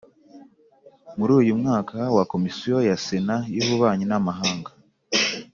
Muri uyu mwaka wa Komisiyo ya Sena y Ububanyi n Amahanga